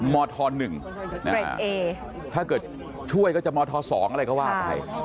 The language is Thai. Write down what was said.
มศ๑ถ้าเกิดช่วยก็จะมศ๒อะไรก็ว่า